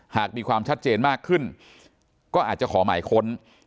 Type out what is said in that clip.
หากมีความชัดเจนมากขึ้นก็อาจจะขอหมายค้น